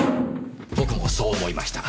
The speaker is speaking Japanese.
僕もそう思いました。